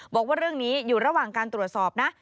บอกว่าเรื่องนี้อยู่ระหว่างการตรวจสอบนะ